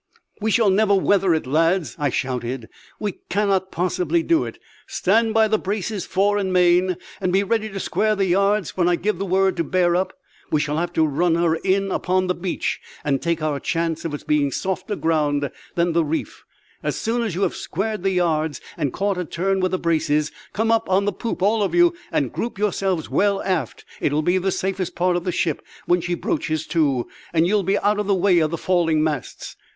"We shall never weather it, lads," I shouted; "we cannot possibly do it. Stand by the braces, fore and main, and be ready to square the yards when I give the word to bear up. We shall have to run her in upon the beach, and take our chance of its being softer ground than the reef. As soon as you have squared the yards and caught a turn with the braces, come up on the poop, all of you, and group yourselves well aft; it will be the safest part of the ship when she broaches to, and you will be out of the way of the falling masts.